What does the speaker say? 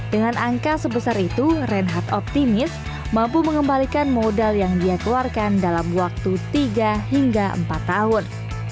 dengan angka sebesar itu reinhard optimis mampu mengembalikan modal yang dia keluarkan dalam waktu tiga hingga empat tahun